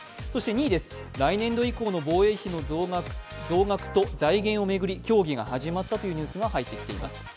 ２位です、来年度以降の防衛費の増額と財源を巡り協議が始まったというニュースが入ってきています。